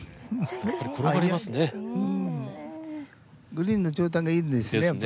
グリーンの状態がいいんですよね。